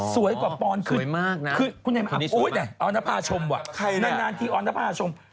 อ๋อสวยมากนะคนนี้สวยมากคนนี้สวยมากอ๋อนภาชมว่ะในนานที่อ๋อนภาชม